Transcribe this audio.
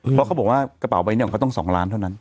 เพราะเขาบอกว่ากระเป๋าใบนี้ของเขาต้อง๒ล้านเท่านั้น